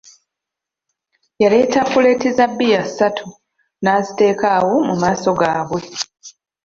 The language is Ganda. Yaleeta kuleeti za bbiya ssatu n'aziteeka awo mu maaso gabwe!